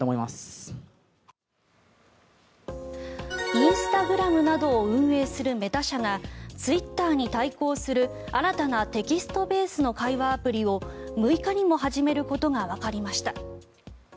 インスタグラムなどを運営するメタ社がツイッターに対抗する新たなテキストベースの会話アプリを６日にも始めることがわかりました。